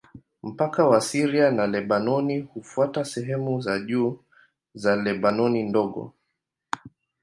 Mpaka wa Syria na Lebanoni hufuata sehemu za juu za Lebanoni Ndogo.